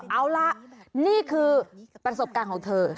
เอาล่ะนี่คือประสบการณ์ของเธอ